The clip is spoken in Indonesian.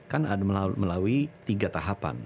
kan ada melalui tiga tahapan